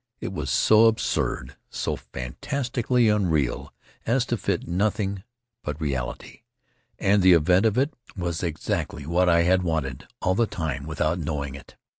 It was so absurd, so fantastically unreal as to fit nothing but reality. And the event of it was exactly what I had wanted all the time without know ing it.